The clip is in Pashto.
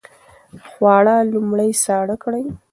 خواړه لومړی ساړه کړئ.